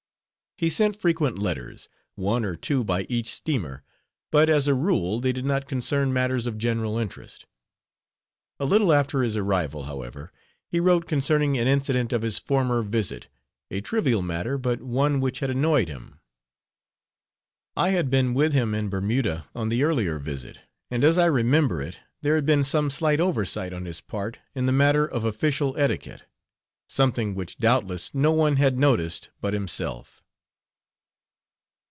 He sent frequent letters one or two by each steamer but as a rule they did not concern matters of general interest. A little after his arrival, however, he wrote concerning an incident of his former visit a trivial matter but one which had annoyed him. I had been with him in Bermuda on the earlier visit, and as I remember it, there had been some slight oversight on his part in the matter of official etiquette something which doubtless no one had noticed but himself.